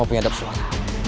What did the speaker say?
yang menghadap suara